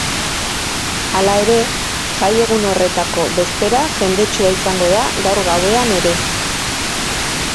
Hala ere, jai egun horretako bezpera jendetsua izango da gaur gauean ere.